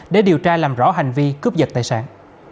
để điều tra làm rõ hành vi cướp giật tài sản